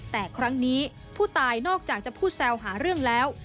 แต่ครั้งนี้ผู้ตายนอกจากจะพูดแซวหาเรื่องแล้ว